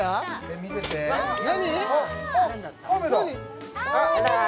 見せて何？